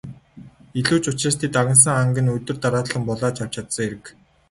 Илүү ч учраас тэд агнасан анг нь өдөр дараалан булааж авч чадсан хэрэг.